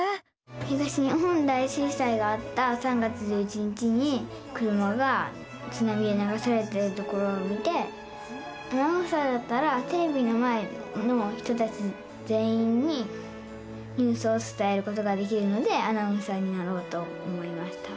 東日本大震災があった３月１１日に車がつなみでながされてるところを見てアナウンサーだったらテレビの前の人たち全員にニュースをつたえることができるのでアナウンサーになろうと思いました。